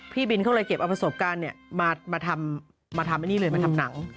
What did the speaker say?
พี่บินเขาเลยเก็บเอาประสบการณ์มาทำอันนี้เลยมาทำหนัง